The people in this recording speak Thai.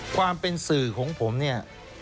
ความเป็นสื่อของผมเนี่ย